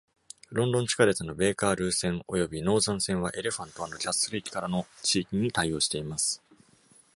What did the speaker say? ロンドン地下鉄のベーカールー線およびノーザン線はエレファント&キャッスル駅からの地域に対応しています。